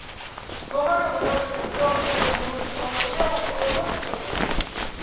მდგომარეობას, როდესაც სხეულის წონა ნულის ტოლია, უწონობას უწოდებენ